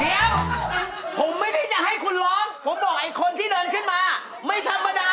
เดี๋ยวผมไม่ได้จะให้คุณร้องผมบอกไอ้คนที่เดินขึ้นมาไม่ธรรมดา